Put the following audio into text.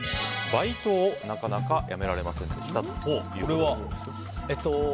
バイトをなかなか辞められませんでしたこれは？